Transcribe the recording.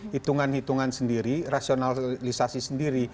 hitungan hitungan sendiri rasionalisasi sendiri